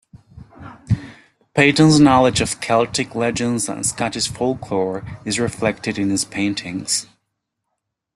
Paton's knowledge of Celtic legends and Scottish folklore is reflected in his paintings.